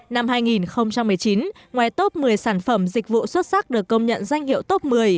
năm hai nghìn một mươi chín ngoài top một mươi sản phẩm dịch vụ xuất sắc được công nhận danh hiệu top một mươi